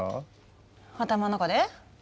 頭の中で？